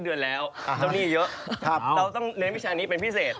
เยอะเราต้องเรียนวิชานี้เป็นพิเศษ